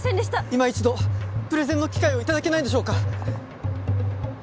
いま一度プレゼンの機会を頂けないでしょうか。